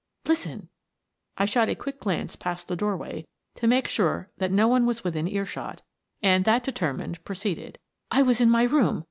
Listen." I shot a quick glance past the door way to make sure that no one was within ear shot, and, that determined, proceeded: "I was in my room.